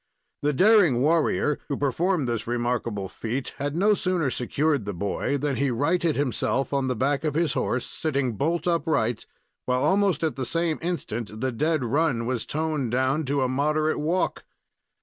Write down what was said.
The daring warrior who performed this remarkable feat had no sooner secured the boy than he righted himself on the back of his horse, sitting bolt upright, while, almost at the same instant, the dead run was toned down to a moderate walk.